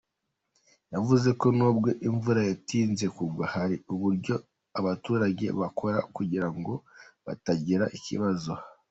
Yavuze ko nubwo imvura yatinze kugwa hari uburyo abaturage bakora kugira ngo batagira ikibazo.